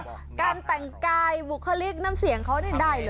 การแต่งกายบุคลิกน้ำเสียงเขาใดเลย